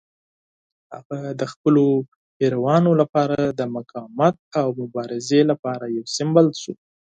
هغه د خپلو پیروانو لپاره د مقاومت او مبارزې لپاره یو سمبول شو.